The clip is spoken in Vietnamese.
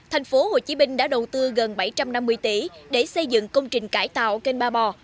thành phố hồ chí minh đã đầu tư gần bảy trăm năm mươi tỷ để xây dựng công trình cải tạo kênh ba bò